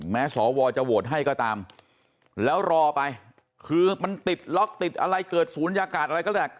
สวจะโหวตให้ก็ตามแล้วรอไปคือมันติดล็อกติดอะไรเกิดศูนยากาศอะไรก็ได้